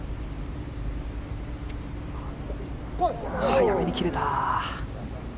早めに切れた。